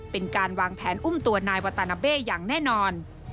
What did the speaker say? เป็นการวางแผนอุ้มตัวนายวาตานาเบ้อย่างแน่นอน